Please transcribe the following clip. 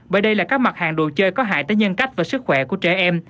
bởi đây là các mặt hàng đồ chơi có hại tới nhân cách và sức khỏe của trẻ em